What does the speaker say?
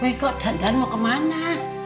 woi kok dandan mau ke mana